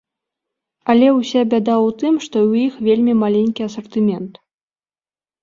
Але ўся бяда ў тым, што ў іх вельмі маленькі асартымент.